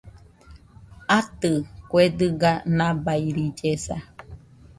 Atɨ , kue dɨga nabairillesa